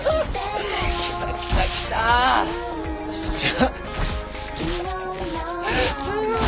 おっしゃ！